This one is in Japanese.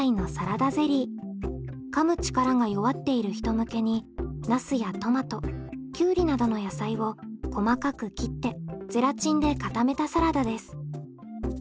噛む力が弱っている人向けにナスやトマトきゅうりなどの野菜を細かく切ってゼラチンで固めたサラダです。